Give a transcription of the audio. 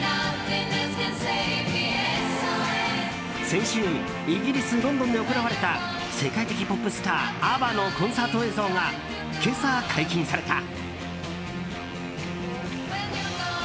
先週イギリス・ロンドンで行われた世界的ポップスター、ＡＢＢＡのコンサート映像が今朝、解禁された。